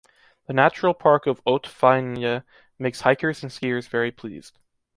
The natural park of Hautes-Fagnes makes hikers and skiers very pleased.